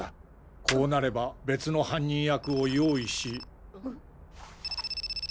こうなれば別の犯人役を用意し。